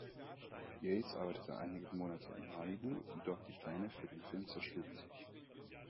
Yates arbeitete einige Monate in Malibu, doch die Pläne für den Film zerschlugen sich.